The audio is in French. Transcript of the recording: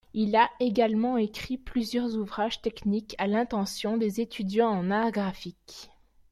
Il a également écrit plusieurs ouvrages techniques à l'intention des étudiants en Art Graphique.